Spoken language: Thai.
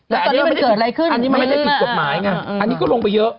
แต่อันนี้มันเกิดอะไรขึ้นอันนี้มันไม่ได้ผิดกฎหมายไงอันนี้ก็ลงไปเยอะ